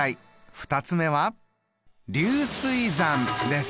２つ目は流水算です。